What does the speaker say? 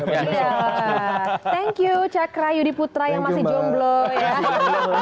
thank you cakra yudi putra yang masih jomblo ya